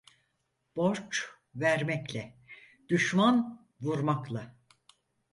Borç vermekle, düşman vurmakla.